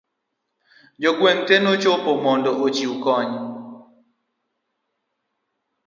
jogweng' te nochopo mondo ochiw kony